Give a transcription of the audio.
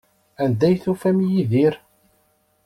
Anda ay tufam Yidir?